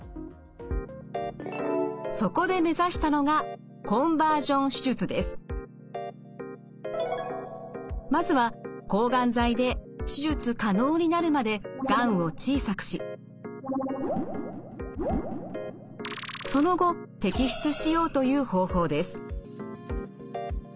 そこで目指したのがまずは抗がん剤で手術可能になるまでがんを小さくしその後摘出しようという方法です。